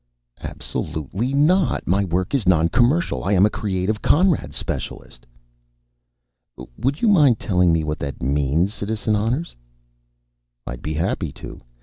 "Absolutely not! My work is noncommercial. I am a Creative Conrad Specialist." "Would you mind telling me what that means, Citizen Honners?" "I'd be happy to.